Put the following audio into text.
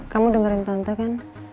kamu dengerin tante kan